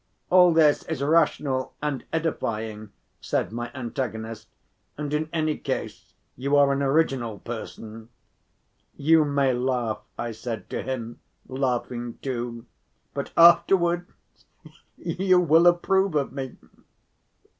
"All this as rational and edifying," said my antagonist, "and in any case you are an original person." "You may laugh," I said to him, laughing too, "but afterwards you will approve of me."